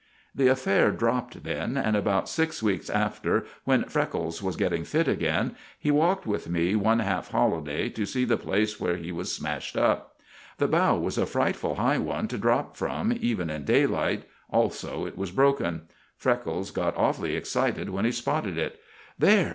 The affair dropped then, and about six weeks after, when Freckles was getting fit again, he walked with me one half holiday to see the place where he was smashed up. The bough was a frightful high one to drop from even in daylight, also it was broken. Freckles got awfully excited when he spotted it. "There!